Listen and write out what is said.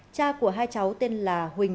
cha của hai cháu tên là huỳnh